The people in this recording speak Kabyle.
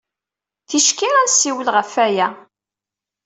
Ticki ad nessiwel ɣef waya.